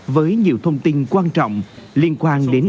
với nhiều thông tin quan trọng liên quan đến